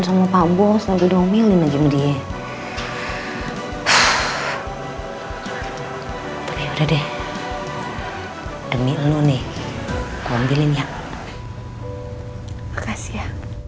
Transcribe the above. sama pak bos nanti dong milih lagi media udah deh demi lu nih ngambilin ya makasih ya